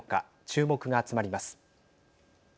注目が集まります。